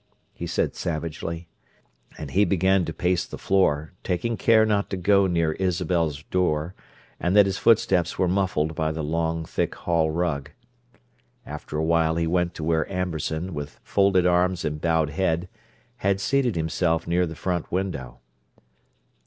he said savagely. And he began to pace the floor, taking care not to go near Isabel's door, and that his footsteps were muffled by the long, thick hall rug. After a while he went to where Amberson, with folded arms and bowed head, had seated himself near the front window.